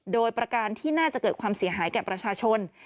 โดยประการที่น่าจะเกิดความเสียหายแก่ประชาชน